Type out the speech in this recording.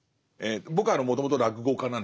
僕はもともと落語家なんですね。